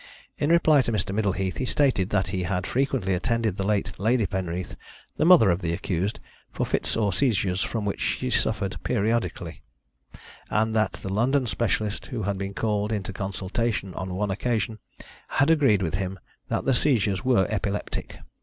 In reply to Mr. Middleheath he stated that he had frequently attended the late Lady Penreath, the mother of the accused, for fits or seizures from which she suffered periodically, and that the London specialist who had been called into consultation on one occasion had agreed with him that the seizures were epileptic.